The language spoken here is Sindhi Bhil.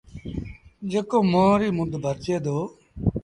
جيڪو ميݩهن ريٚ مند ڀرجي دو۔